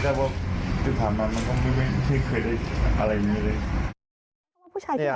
แต่ว่าถ้าถามมามันก็ไม่เคยได้อะไรอย่างนี้เลย